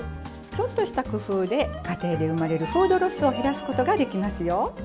ちょっとした工夫で家庭で生まれるフードロスを減らすことができますよ。